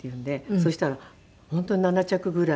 そしたら本当に７着ぐらい。